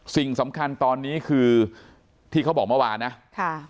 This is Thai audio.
สิ่งสำคัญตอนนี้คือที่เขาบอกเมื่อวานนะค่ะ